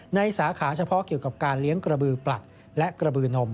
สาขาเฉพาะเกี่ยวกับการเลี้ยงกระบือปลัดและกระบือนม